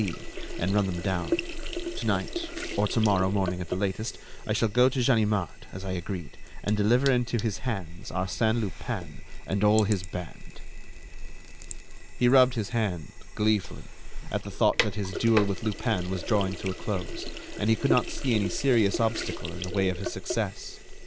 B.,' and run them down. To night, or to morrow morning at the latest, I shall go to Ganimard, as I agreed, and deliver into his hands Arsène Lupin and all his band." He rubbed his hand, gleefully, at the thought that his duel with Lupin was drawing to a close, and he could not see any serious obstacle in the way of his success.